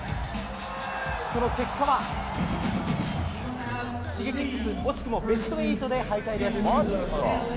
その結果は、Ｓｈｉｇｅｋｉｘ惜しくもベスト８で敗退です。